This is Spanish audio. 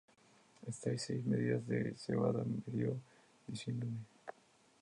Estas seis medidas de cebada me dió, diciéndome: